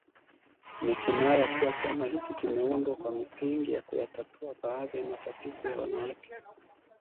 Ni kinaya kuwa chama hiki kimeundwa kwa misingi ya kuyatatua baadhi ya matatizo ya wanawake